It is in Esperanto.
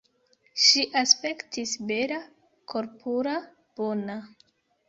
Ŝi aspektis bela, korpura, bona.